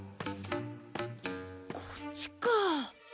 こっちか。